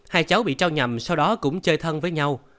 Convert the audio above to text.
hai cháu bị trao nhầm sau đó cũng chơi thân với nhau